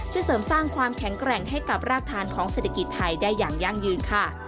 เสริมสร้างความแข็งแกร่งให้กับรากฐานของเศรษฐกิจไทยได้อย่างยั่งยืนค่ะ